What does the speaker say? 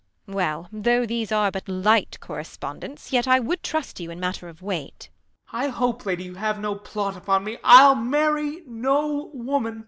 Well, though those are but light correspondents, Yet I would trust you in matter of weight. Ben. I hope, lady, you have no plot upon me. I'll marry no woman.